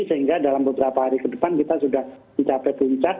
sehingga dalam beberapa hari ke depan kita sudah mencapai puncak